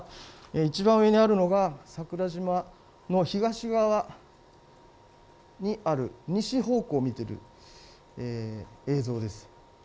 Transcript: いちばん上にあるのが桜島の東側、東側にある西方向を見ている映像です。